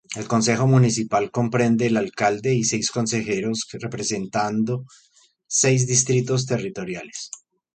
El consejo municipal comprende el alcalde y seis consejeros representando seis distritos territoriales.